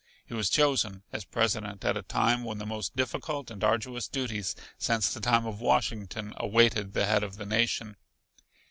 He was chosen as President at a time when the most difficult and arduous duties since the time of Washington awaited the head of the nation.